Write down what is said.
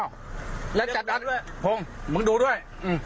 โว้วงดูด้วย